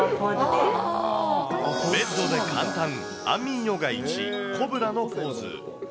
ベッドで簡単、安眠ヨガ１、コブラのポーズ。